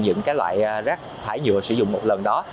những loại rác thải nhựa sử dụng một lần đó